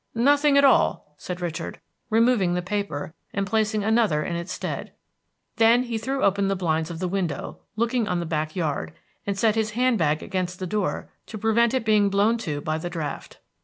"Nothing at all," said Richard, removing the paper, and placing another in its stead. Then he threw open the blinds of the window looking on the back yard, and set his hand bag against the door to prevent it being blown to by the draught.